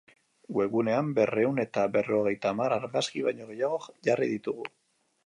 Webgunean, berrehun eta berrogeita hamar argazki baino gehiago jarri ditugu.